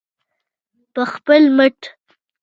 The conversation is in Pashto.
په خپل مټ.